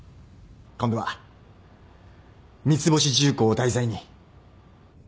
今度は三ツ星重工を題材に。